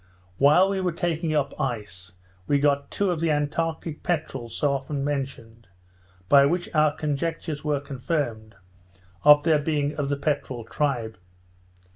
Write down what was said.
While we were taking up ice, we got two of the antarctic peterels so often mentioned, by which our conjectures were confirmed of their being of the peterel tribe.